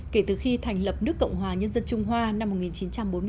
kể từ khi thành lập nước cộng hòa nhân dân trung hoa năm một nghìn chín trăm bốn mươi bốn